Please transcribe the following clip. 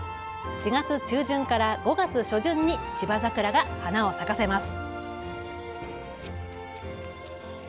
４月中旬から５月初旬に芝桜が花を咲かせます。